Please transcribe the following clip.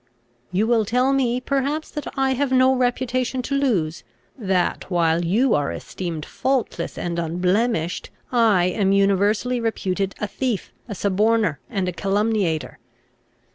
"You will tell me perhaps that I have no reputation to lose; that, while you are esteemed faultless and unblemished, I am universally reputed a thief, a suborner, and a calumniator.